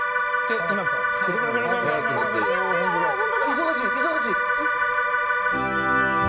忙しい忙しい！